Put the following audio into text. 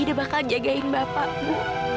aida bakal jagain bapakmu